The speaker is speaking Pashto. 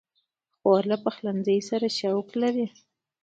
خور له پخلنځي سره شوق لري.